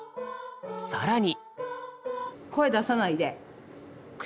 更に。